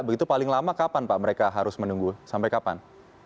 begitu paling lama kapan pak mereka harus menunggu sampai kapan